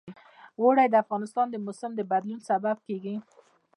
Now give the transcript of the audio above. اوړي د افغانستان د موسم د بدلون سبب کېږي.